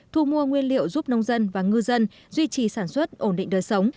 thu mua nguyên liệu giúp nông dân và ngư dân duy trì sản xuất ổn định đời sống